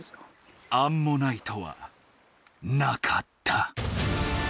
アンモナイトはなかった。